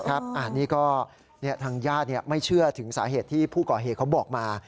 อันนี้ก็ทางญาติไม่เชื่อถึงสาเหตุที่ผู้ก่อเหตุเขาบอกมา